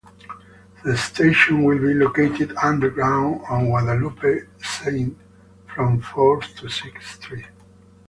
The station will be located underground on Guadalupe St from Fourth to Sixth Street.